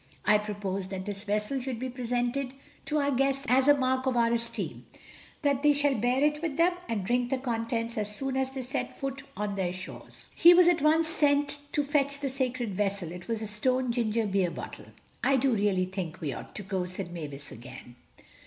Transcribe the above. I propose that this vessel should be presented to our guests as a mark of our esteem; that they shall bear it with them, and drink the contents as soon as they set foot on their own shores." He was at once sent to fetch the sacred vessel. It was a stone ginger beer bottle. "I do really think we ought to go," said Mavis again.